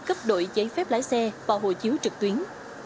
cấp đổi giấy phép lái xe và hộ chiếu trực tuyến